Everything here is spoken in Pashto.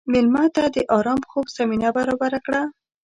مېلمه ته د ارام خوب زمینه برابره کړه.